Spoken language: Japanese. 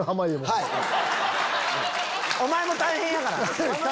お前も大変やからな。